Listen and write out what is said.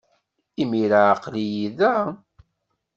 Imir-a, aql-iyi da.